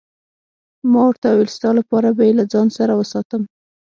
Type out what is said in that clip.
ما ورته وویل: ستا لپاره به يې له ځان سره وساتم.